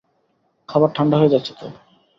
খাবার ঠাণ্ডা হয়ে যাচ্ছে তো!